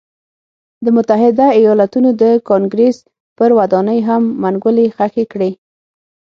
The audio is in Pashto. د متحده ایالتونو د کانګرېس پر ودانۍ هم منګولې خښې کړې.